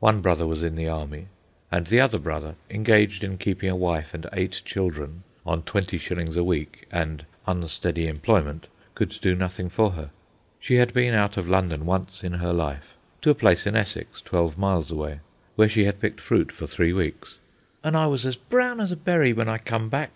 One brother was in the army, and the other brother, engaged in keeping a wife and eight children on twenty shillings a week and unsteady employment, could do nothing for her. She had been out of London once in her life, to a place in Essex, twelve miles away, where she had picked fruit for three weeks: "An' I was as brown as a berry w'en I come back.